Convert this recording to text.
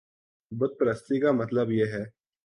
بت پرستی کا مطلب یہ ہے